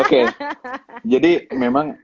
oke jadi memang